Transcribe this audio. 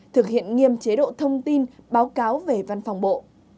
thực hiện nghiêm chế độ thông tin báo cáo về văn phòng bộ